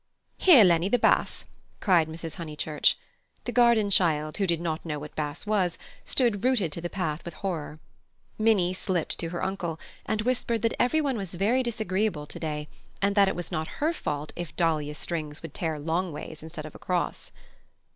"Here, Lennie, the bass," cried Mrs. Honeychurch. The garden child, who did not know what bass was, stood rooted to the path with horror. Minnie slipped to her uncle and whispered that everyone was very disagreeable to day, and that it was not her fault if dahlia strings would tear longways instead of across.